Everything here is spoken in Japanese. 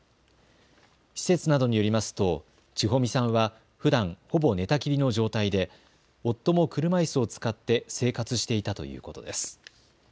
施設などによりますと千保美さんはふだんほぼ寝たきりの状態で夫も車いすを使って生活していたということです。